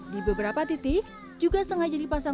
di beberapa titik juga sengaja dipasang